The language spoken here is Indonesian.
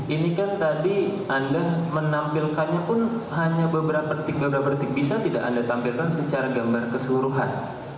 ini kan tadi anda menampilkannya pun hanya beberapa detik beberapa detik bisa tidak anda tampilkan secara gambar keseluruhan